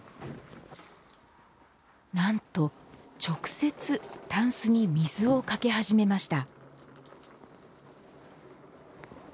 なんと直接たんすに水をかけ始めました